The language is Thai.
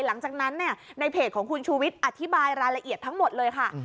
หลังจากนั้นในเพจของคุณชูวิทย์อธิบายรายละเอียดทั้งหมดเลยค่ะ